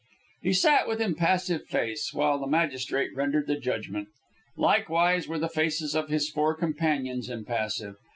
He sat with impassive face, while the magistrate rendered the judgment. Likewise were the faces of his four companions impassive.